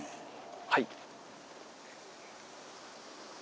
はい。